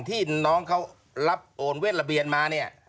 ที่น้องเขารับโอนเวทระเบียนมาเนี่ย